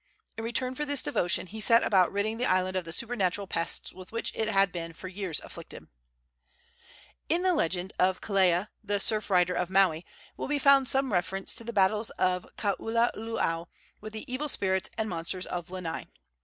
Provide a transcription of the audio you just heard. In return for this devotion he set about ridding the island of the supernatural pests with which it had been for years afflicted. In the legend of "Kelea, the Surf rider of Maui," will be found some reference to the battles of Kaululaau with the evil spirits and monsters of Lanai.